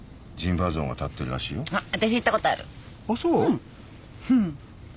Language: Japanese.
うん。